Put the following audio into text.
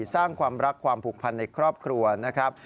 สร้างความรักความผูกพันในครอบครัวนะครับ